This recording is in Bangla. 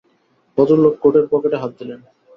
ভদ্রলোক কোটের পকেটে হাত দিলেন।